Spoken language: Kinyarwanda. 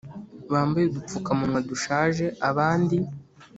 bambaye udupfukamunwa dushaje abandi